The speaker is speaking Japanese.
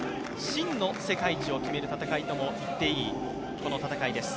真の世界一を決める戦いとも言っていい、この戦いです。